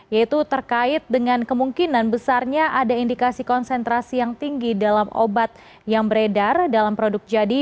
yaitu terkait dengan kemungkinan besarnya ada indikasi konsentrasi yang tinggi dalam obat yang beredar dalam produk jadi